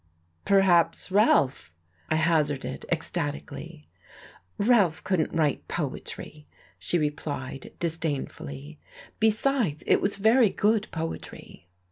"Perhaps Ralph," I hazarded ecstatically. "Ralph couldn't write poetry," she replied disdainfully. "Besides, it was very good poetry."